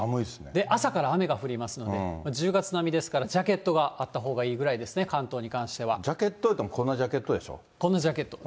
朝から雨が降りますので、１０月並みですから、ジャケットがあったほうがいいくらいですね、ジャケットといっても、こんなジャケット、どんな？